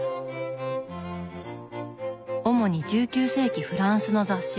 主に１９世紀フランスの雑誌